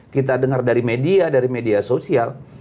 kita dengar dari media dari media sosial